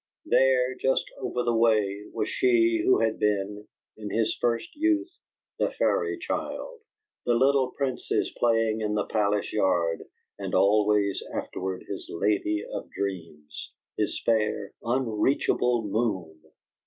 There, just over the way, was she who had been, in his first youth, the fairy child, the little princess playing in the palace yard, and always afterward his lady of dreams, his fair unreachable moon!